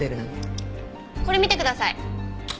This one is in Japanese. これ見てください。